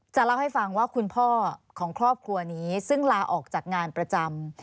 จะเล่าให้ฟังว่าคุณพ่อของครอบครัวนี้ซึ่งลาออกจากงานประจำ